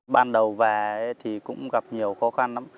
ban đầu về thì cũng gặp nhiều khó khăn lắm